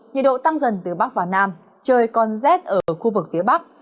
nhiệt độ tăng dần từ bắc vào nam trời còn rét ở khu vực phía bắc